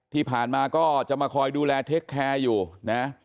ที่ผ่านมาก็จะมาคอยดูแลเทคแคร์อยู่นะ